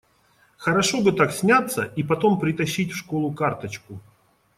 Хорошо бы так сняться и потом притащить в школу карточку!